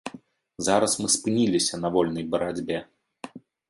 Зараз мы спыніліся на вольнай барацьбе.